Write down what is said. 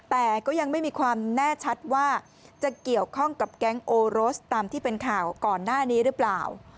แต่ก็ยังไม่มีความแน่ชัดว่าจะเกี่ยวข้องกับแก๊งโอโรสตามที่เป็นข่าวก่อนหน้านี้หรือเปล่า